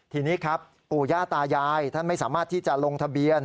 ทีนี้ครับปู่ย่าตายายท่านไม่สามารถที่จะลงทะเบียน